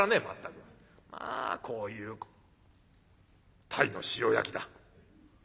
まあこういう鯛の塩焼きだ。